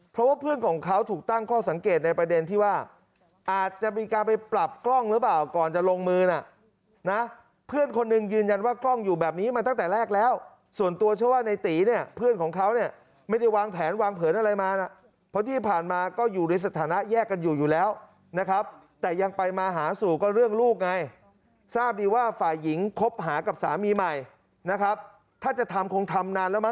เพราะเพื่อนของเขาถูกตั้งข้อสังเกตในประเด็นที่ว่าอาจจะมีการไปปรับกล้องหรือเปล่าก่อนจะลงมือนะเพื่อนคนหนึ่งยืนยันว่ากล้องอยู่แบบนี้มาตั้งแต่แรกแล้วส่วนตัวเช่าว่าในตีนี่เพื่อนของเขาเนี่ยไม่ได้วางแผนวางเผินอะไรมานะเพราะที่ผ่านมาก็อยู่ในสถานะแยกกันอยู่อยู่แล้วนะครับแต่ยังไปมาหาสู่ก็เรื่องลูกไงทร